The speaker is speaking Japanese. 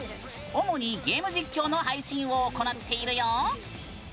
主にゲーム実況の配信を行っているよ。